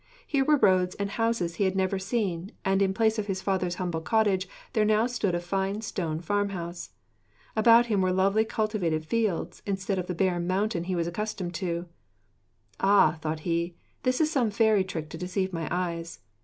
Here were roads and houses he had never seen, and in place of his father's humble cottage there now stood a fine stone farm house. About him were lovely cultivated fields instead of the barren mountain he was accustomed to. 'Ah,' thought he, 'this is some fairy trick to deceive my eyes.